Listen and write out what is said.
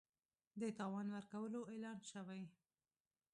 د تاوان ورکولو اعلان شوی